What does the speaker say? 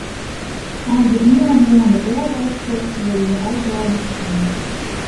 As de iene hân de oar wasket, wurde se allebeide skjin.